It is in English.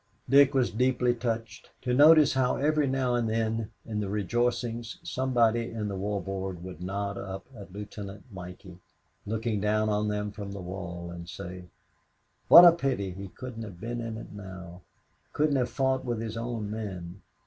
Dick was deeply touched to notice how every now and then in the rejoicings somebody in the War Board would nod up at Lieutenant Mikey, looking down on them from the wall, and say, "What a pity he couldn't have been in it now; couldn't have fought with his own men.